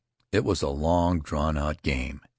It was a long drawn out game.